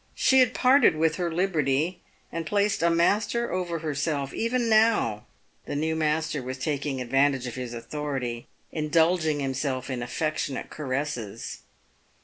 She had parted with her liberty, and placed a master over herself; even now the new master was taking advantage of his authority, indulging himself in affectionate caresses.